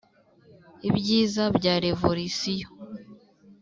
ibyiza bya revolisiyo